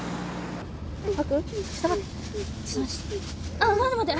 あ待って待って。